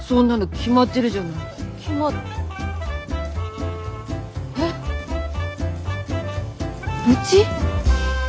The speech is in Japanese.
決まっえっうち？